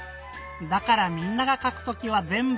だからみんながかくときはぜんぶ